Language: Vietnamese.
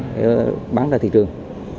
để bán ra thị trường